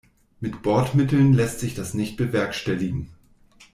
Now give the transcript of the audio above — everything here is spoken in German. Mit Bordmitteln lässt sich das nicht bewerkstelligen.